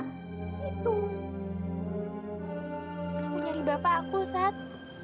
kamu nyari bapak aku sat